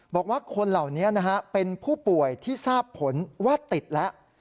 บอกว่าคนเหล่านี้นะฮะเป็นผู้ป่วยที่ทราบผลว่าติดแล้ว